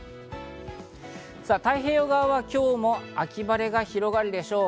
太平洋側は今日も秋晴れが広がるでしょう。